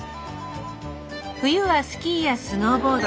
冬はスキーやスノーボード。